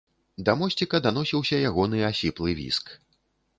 Да мосціка даносіўся ягоны асіплы віск.